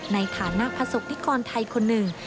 ในฐานะประสบนิกรไทยคนหนึ่ง